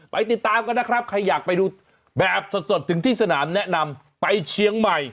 ติดตามกันนะครับใครอยากไปดูแบบสดถึงที่สนามแนะนำไปเชียงใหม่